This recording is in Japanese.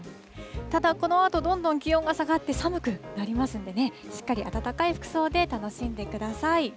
ただ、このあとどんどん気温が下がって、寒くなりますんでね、しっかり暖かい服装で楽しんでください。